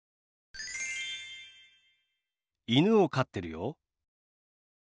犬を飼ってるよ。